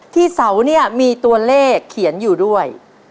เสาเนี่ยมีตัวเลขเขียนอยู่ด้วย